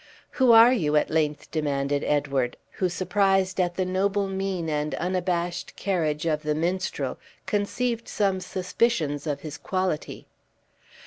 "Who are you?" at length demanded Edward, who, surprised at the noble mien and unabashed carriage of the minstrel, conceived some suspicions of his quality.